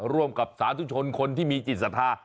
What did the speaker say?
ร่วมกับสาธุชนคนที่มีจิตศรัทธา